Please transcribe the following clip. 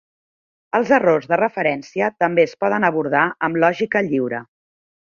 Els errors de referència també es poden abordar amb lògica lliure.